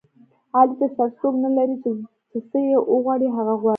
علي د سر څوک نه لري چې څه یې زړه و غواړي هغه غواړي.